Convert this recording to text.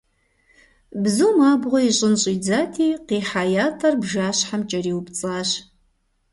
Бзум абгъуэ ищӏын щӏидзати, къихьа ятӏэр бжащхьэм кӏэриупцӏащ.